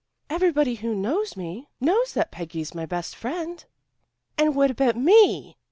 "Everybody who knows me knows that Peggy's my best friend." "And what about me?"